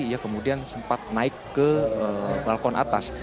ia kemudian sempat naik ke balkon atas